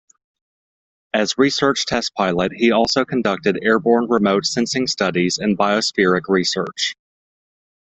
As research test pilot he also conducted airborne remote sensing studies in biospheric research.